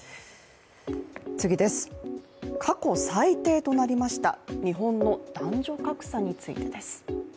過去最低となりました、日本の男女格差についてです。